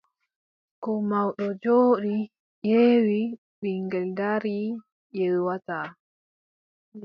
Ko mawɗo jooɗi ƴeewi, ɓiŋngel darii ƴeewataa.